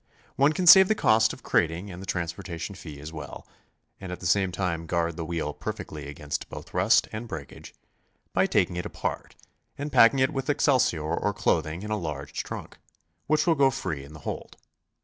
One can save the cost of crating and the transportation fee as well, and at the same time guard the wheel perfectly against both rust and breakage, by taking it apart and packing it with excelsior or clothing in a large trunk, which will go free in the hold.